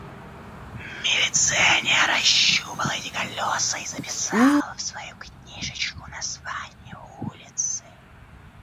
Милиционер ощупал эти колёса и записал в свою книжечку название улицы.